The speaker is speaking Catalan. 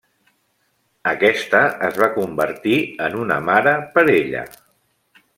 Aquesta es va convertir en una mare per ella.